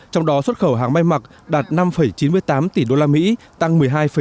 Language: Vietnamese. trong đó xuất khẩu hàng may mặc đạt năm chín mươi tám tỷ usd tăng một mươi hai năm